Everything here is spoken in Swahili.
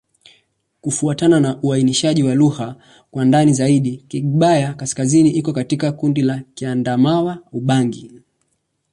Kufuatana na uainishaji wa lugha kwa ndani zaidi, Kigbaya-Kaskazini iko katika kundi la Kiadamawa-Ubangi.